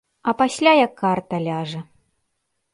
А пасля як карта ляжа.